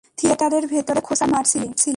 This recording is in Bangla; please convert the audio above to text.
থিয়েটারের ভেতরে খোঁচা মারছিলি।